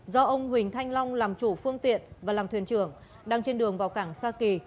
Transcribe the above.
do ông huỳnh thanh long làm chủ phương tiện và làm thuyền trưởng đang trên đường vào cảng sa kỳ